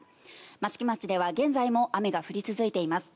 益城町では現在も雨が降り続いています。